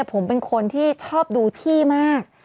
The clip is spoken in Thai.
ผมเป็นคนที่ชอบดูที่มาก